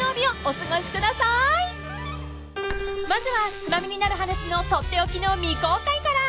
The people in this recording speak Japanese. ［まずは『ツマミになる話』のとっておきの未公開から］